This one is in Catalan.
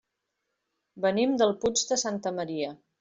Venim del Puig de Santa Maria.